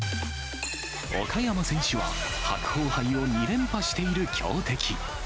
岡山選手は、白鵬杯を２連覇している強敵。